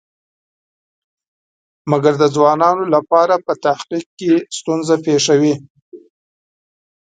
مګر د ځوانانو لپاره په تحقیق کې ستونزه پېښوي.